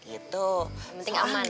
yang penting aman